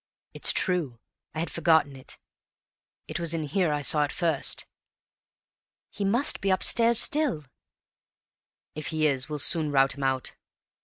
"It's true! I had forgotten it. It was in here I saw it first!" "He must be upstairs still!" "If he is we'll soon rout him out.